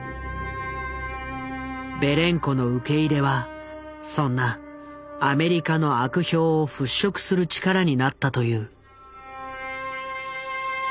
ベレンコの受け入れはそんなアメリカの悪評を払拭する力になったという。